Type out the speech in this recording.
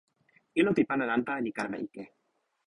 ilo pi pana nanpa li kalama ike.